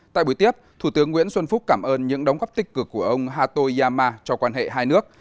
tại buổi tiếp thủ tướng nguyễn xuân phúc cảm ơn những đóng góp tích cực của ông hato yama cho quan hệ hai nước